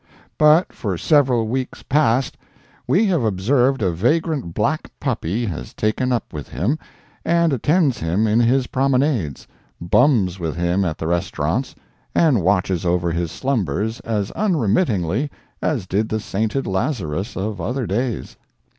But, for several weeks past, we have observed a vagrant black puppy has taken up with him, and attends him in his promenades, bums with him at the restaurants, and watches over his slumbers as unremittingly as did the sainted Lazarus of other days.